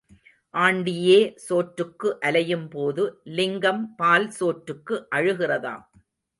ஆண்டியே சோற்றுக்கு அலையும் போது லிங்கம் பால் சோற்றுக்கு அழுகிறதாம்.